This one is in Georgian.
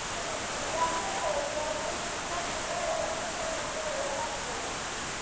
იზამთრებს ევრაზიის სამხრეთ ნაწილში, აფრიკის სანაპიროების გასწვრივ.